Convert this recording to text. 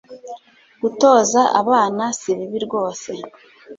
gutoza abana si bibi rwose